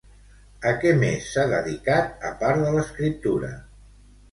A què més s'ha dedicat, a part de l'escriptura?